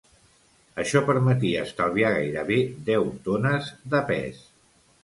Això permetia estalviar gairebé deu tones de pes.